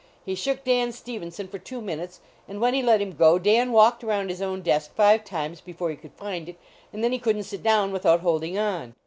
He shook Dan Stevenson for two minutes, and when he let him go, Dan walked around his own desk five times before he could find it, and then he couldn t sit down without holding on.